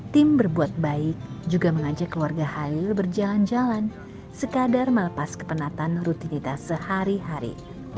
tim berbuat baik juga mengajak keluarga hair berjalan jalan sekadar melepas kepenatan rutinitas sehari hari